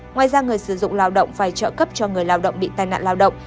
ngoài ra người sử dụng lao động phải trợ cấp cho người lao động bị tai nạn lao động